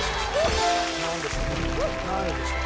何位でしょう？